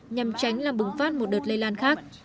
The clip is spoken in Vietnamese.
nhằm tránh làm bùng phát một đợt lây lan khác